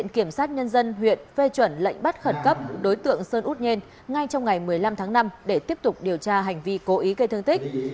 viện kiểm sát nhân dân huyện phê chuẩn lệnh bắt khẩn cấp đối tượng sơn út nhên ngay trong ngày một mươi năm tháng năm để tiếp tục điều tra hành vi cố ý gây thương tích